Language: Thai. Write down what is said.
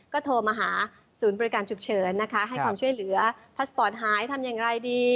ก็โทรมาหาศูนย์บริการฉุกเฉินนะคะให้ความช่วยเหลือพาสปอร์ตหายทำอย่างไรดี